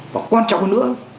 và quan trọng hơn nữa